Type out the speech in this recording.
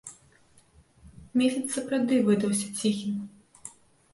Месяц сапраўды выдаўся ціхім.